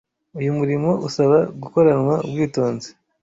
Uyu murimo usaba gukoranwa ubwitonzi